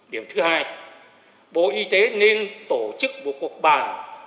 điểm thứ hai bộ y tế nên tổ chức một cuộc bàn